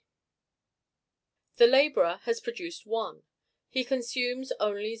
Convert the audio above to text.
The laborer has produced 1; he consumes only 0.9.